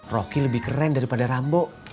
rocky lebih keren daripada rambo